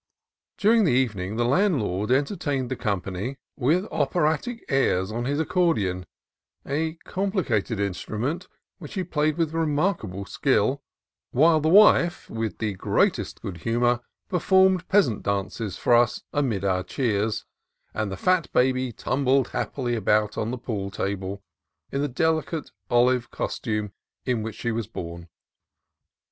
During the evening the landlord entertained the company with 242 CALIFORNIA COAST TRAILS operatic airs on his accordion, a complicated instru ment which he played with remarkable skill ; while the wife, with the greatest good humor, performed peasant dances for us amid our cheers, and the fat baby tumbled happily about on the pool table in the delicate olive costume in which she was born.